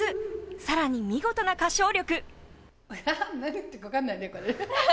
更に見事な歌唱力。